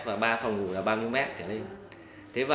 và ba phòng ngủ là bao nhiêu mét